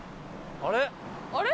あれ？